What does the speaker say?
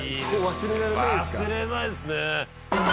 忘れないですね